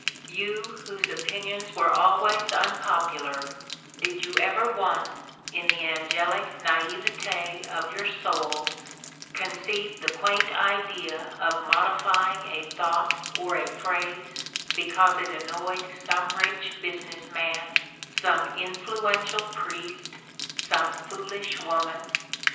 You, whose opinions were al ways unpopular, did you ever once, in the angelic naivete of your souls, conceive the quaint idea of modifying a thought or a phrase because it annoyed some rich busi ness man, some influential priest, some foolish woman?